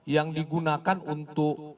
yang digunakan untuk